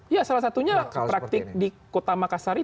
ya salah satunya praktik di kota makassar